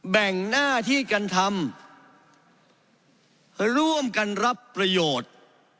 แบ่งหน้าที่กันทำร่วมกันรับประโยชน์